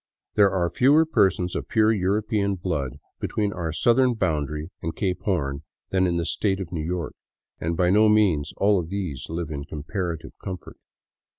There are fewer persons of pure European blood between our southern boundary and Cape Horn than in the state of New York ; and by no means all of these live in even comparative comfort.